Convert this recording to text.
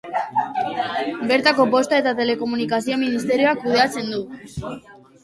Bertako Posta eta Telekomunikazio ministerioak kudeatzen du.